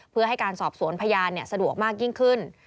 เพื่อให้การสอบสวนพยานสะดวกมากยิ่งขึ้น